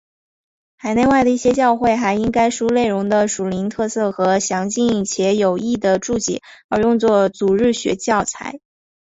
海内外一些教会还因该书内容的属灵特色和详尽且有益的注解而用作主日学教材。